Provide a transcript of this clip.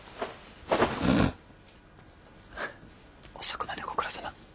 遅くまでご苦労さま。